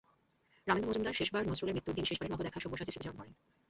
রামেন্দু মজুমদার শেষবার নজরুলের মৃত্যুর দিন শেষবারের মতো দেখা সব্যসাচীর স্মৃতিচারণা করেন।